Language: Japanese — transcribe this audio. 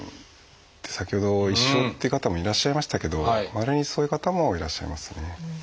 先ほど一生っていう方もいらっしゃいましたけどまれにそういう方もいらっしゃいますね。